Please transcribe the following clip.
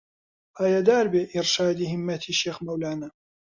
پایەدار بێ ئیڕشادی هیممەتی شێخ مەولانە